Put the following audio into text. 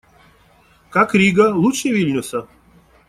Как Рига? Лучше Вильнюса?